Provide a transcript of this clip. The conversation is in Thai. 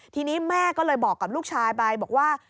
ทีนี้แม่ก็เลยบอกกับลูกชายไปบอกว่า